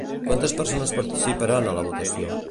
Quantes persones participaran a la votació?